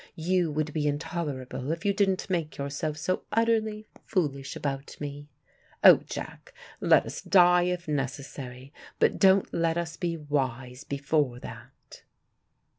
You would be intolerable if you didn't make yourself so utterly foolish about me. Oh, Jack, let us die if necessary, but don't let us be wise before that."